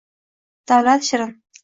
Davlat shirin